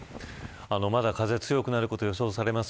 まだ風が強くなることが予想されます。